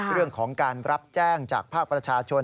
เรื่องของการรับแจ้งจากภาคประชาชน